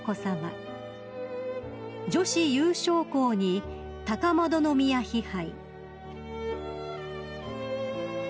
［女子優勝校に高円宮妃牌］